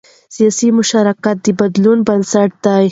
سیاسي مشارکت د بدلون بنسټ دی